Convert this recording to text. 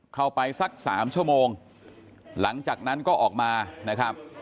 เข้าไปสักสามชั่วโมงหลังจากนั้นก็ออกมานะครับ